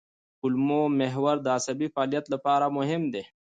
کولمو محور د عصبي فعالیت لپاره مهم دی.